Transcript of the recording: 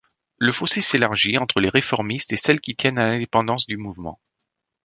Le fossé s’élargit entre les réformistes et celles qui tiennent à l’indépendance du Mouvement.